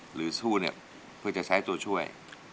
หรือสู้เนี่ยเพื่อจะใช้ตัวช่วย